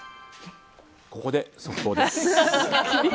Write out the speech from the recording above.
ここで速報です。